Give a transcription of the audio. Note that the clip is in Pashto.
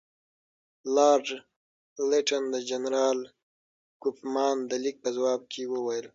لارډ لیټن د جنرال کوفمان د لیک په ځواب کې وویل.